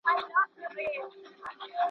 په حضوري زده کړه کي د ټولګي نظم مهم وي.